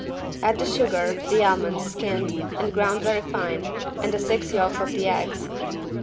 Add the sugar, the almonds skinned and ground very fine and the six yolks of the eggs.